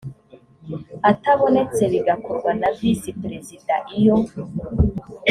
atabonetse bigakorwa na visi perezida iyo